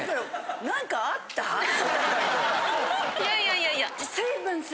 いやいやいやいや。